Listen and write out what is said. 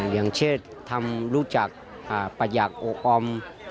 อย่างเชฟทำรูปจากประหยักโอกอม